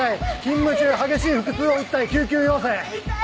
勤務中激しい腹痛を訴え救急要請！